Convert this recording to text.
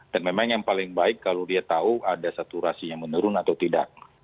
dan memang yang paling baik kalau dia tahu ada saturasi yang menurun atau tidak